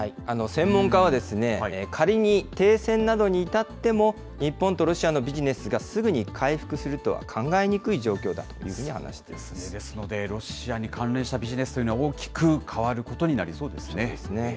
専門家は、仮に停戦などに至っても、日本とロシアのビジネスがすぐに回復するとは考えにくい状況だとですので、ロシアに関連したビジネスというのは、大きく変わることになりそうですね。